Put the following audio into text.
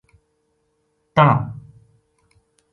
تہنا